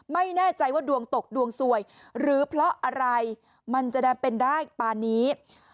ไม่แน่ใจว่าดวงตกดวงสวยหรือเพราะอะไรมันจะเป็นได้ปานนี้